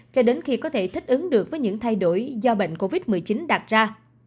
cho đến khi có thể thích ứng được với những thay đổi do bệnh covid một mươi chín đặt ra